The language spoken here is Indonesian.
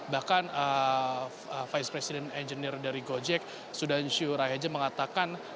bahkan vice president engineer dari gojek sudhanshu raihajan mengatakan